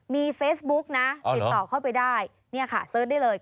มีเฟซบุ๊กนะติดต่อเข้าไปได้เนี่ยค่ะเสิร์ชได้เลย